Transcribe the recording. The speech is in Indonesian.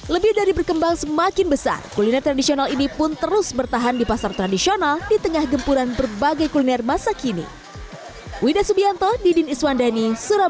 lebih dari berkembang semakin besar kuliner tradisional ini pun terus bertahan di pasar tradisional di tengah gempuran berbagai kuliner masa kini